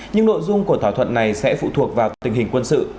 nhưng nội dung của thỏa thuận này sẽ phụ thuộc vào tình hình quân sự